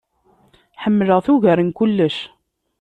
Ḥemleɣ-t ugar n kullec.